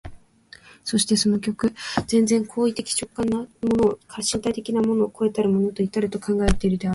しかしてその極、全然行為的直観的なるもの、身体的なるものを越えたものに到ると考えられるでもあろう。